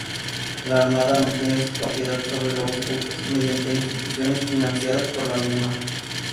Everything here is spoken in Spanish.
La Armada mantiene su propiedad sobre los buques mediante instituciones financiadas por la misma.